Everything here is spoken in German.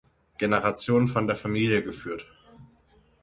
Generation von der Familie geführt.